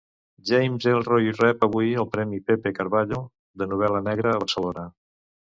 James Ellroy rep avui el premi Pepe Carvalho de novel·la negra a Barcelona.